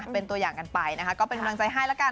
เป็นตัวอย่างกันไปนะคะก็เป็นกำลังใจให้ละกัน